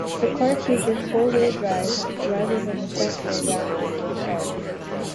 The car features four-wheel drive, rather than the front-wheel drive of the road car.